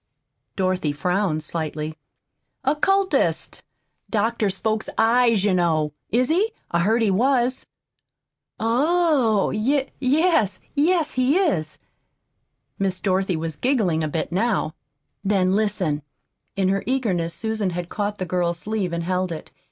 Dorothy frowned slightly. "Occultist doctors folks' eyes, you know. Is he? I heard he was." "Oh! Y yes yes, he is." Miss Dorothy was giggling a bit now. "Then, listen!" In her eagerness Susan had caught the girl's sleeve and held it.